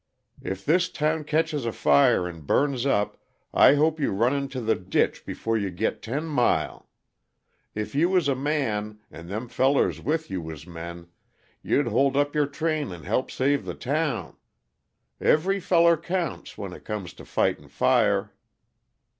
"If this town ketches afire and burns up, I hope you run into the ditch before you git ten mile! If you was a man, and them fellers with you was men, you'd hold up your train and help save the town. Every feller counts, when it comes to fightin' fire."